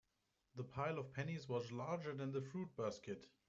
The pile of pennies was larger than the fruit basket.